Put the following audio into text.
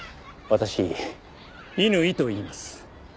私伊縫といいます。